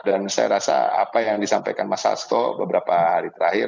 dan saya rasa apa yang disampaikan mas asto beberapa hari terakhir